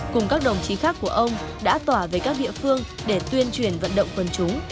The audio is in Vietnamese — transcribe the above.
cùng các đồng chí khác của ông đã tỏa về các địa phương để tuyên truyền vận động quân chúng